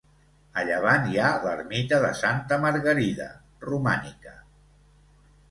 A llevant hi ha l'ermita de Santa Margarida, romànica.